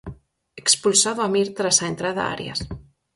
Expulsado Amir tras a entrada a Arias.